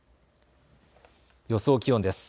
予想気温です。